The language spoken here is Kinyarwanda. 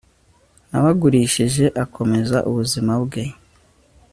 Nabagurishije akomeza ubuzima bwe